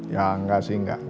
ya enggak sih enggak